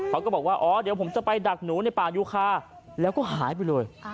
เขาก็บอกว่าอ๋อเดี๋ยวผมจะไปดักหนูในป่ายูคาแล้วก็หายไปเลย